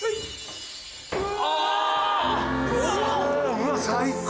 うわ最高！